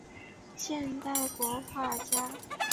现代国画家。